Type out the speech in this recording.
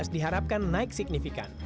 diharapkan naik signifikan